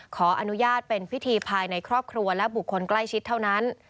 ขออนุญาตเป็นพิธีภายในครอบครัวและบุคคลใกล้ชิดเท่านั้น